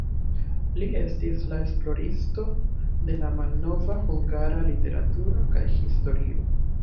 Li estis la esploristo de la malnova hungara literaturo kaj historio.